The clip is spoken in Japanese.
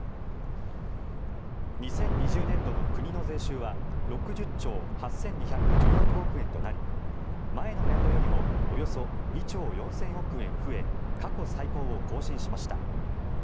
２０２０年度の国の税収は６０兆８２１６億円となり前の年度よりもおよそ２兆４０００億円増え過去最高を更新しました。